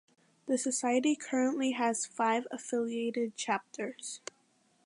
The society currently has five affiliated chapters.